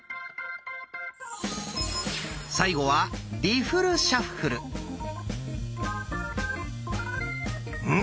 最後はうん。